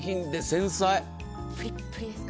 プリップリですか。